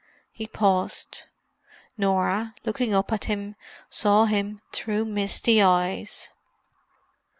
He paused. Norah, looking up at him, saw him through misty eyes.